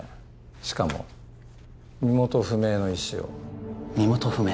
しかも身元不明の医師を身元不明？